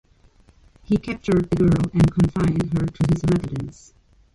He captured the girl and confined her to his residence.